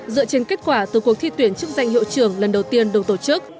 dựa trên kết quả từ cuộc thi tuyển chức danh hiệu trưởng lần đầu tiên được tổ chức